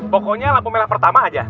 pokoknya lampu merah pertama aja